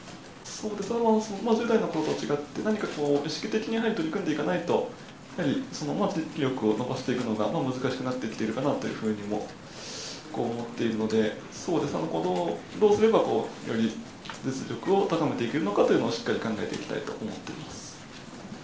１０代の頃と違って、意識的に取り組んでいかないと、記録を伸ばしていくのが難しくなってきているのかな？とも思っているので、どうすればより実力を高めていけるのかというのを、しっかり考えていきたいと思っています。